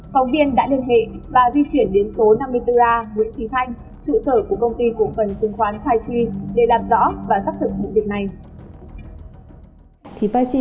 phóng viên đã liên hệ và di chuyển đến số năm mươi bốn a nguyễn trí thanh trụ sở của công ty cổ phần chứng khoán khoai chi để làm rõ và xác thực vụ việc này